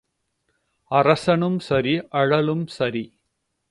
அரசனும் சரி அழலும் சரி.